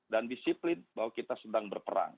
dan disiplin bahwa kita sedang berperang